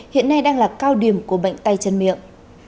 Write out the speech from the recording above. hiện nay đang là cao điểm của bệnh tay chân miệng